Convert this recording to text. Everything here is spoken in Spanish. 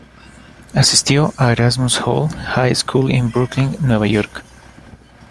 Asistió a Erasmus Hall High School en Brooklyn, Nueva York.